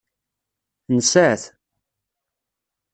Nesεa-t.